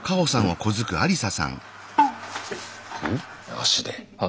足で。